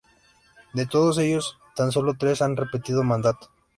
De todos ellos tan solo tres han repetido mandato.